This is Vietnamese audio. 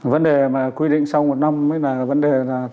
vấn đề mà quy định sau một năm mới là vấn đề là